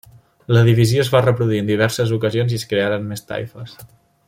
La divisió es va reproduir en diverses ocasions i es crearen més taifes.